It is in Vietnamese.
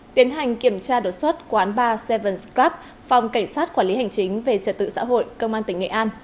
tiến hành kiểm tra đột xuất quán bar sevens club phòng cảnh sát quản lý hành chính về trật tự xã hội công an tỉnh nghệ an